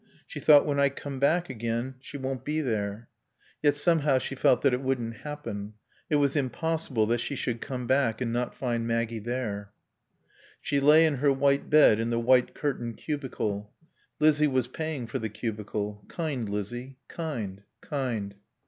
She thought, "When I come back again she won't be there." Yet somehow she felt that it wouldn't happen; it was impossible that she should come back and not find Maggie there. She lay in her white bed in the white curtained cubicle. Lizzie was paying for the cubicle. Kind Lizzie. Kind. Kind.